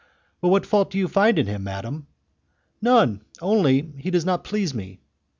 'But what fault do you find in him, madam?' 'None, only he does not please me.